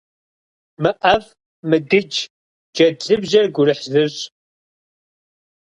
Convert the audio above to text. Мыӏэфӏ, мыдыдж, джэд лыбжьэр гурыхь зыщӏ.